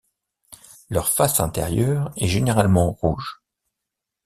Leur face inférieure est généralement rouge.